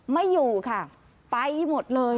ไม่อยู่ค่ะไปหมดเลย